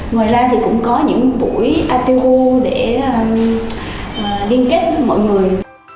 ngoài ra thì cũng có những buổi atu để liên kết với mọi người